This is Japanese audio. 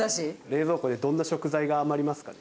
冷蔵庫でどんな食材が余りますか？